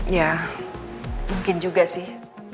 ya mungkin juga sih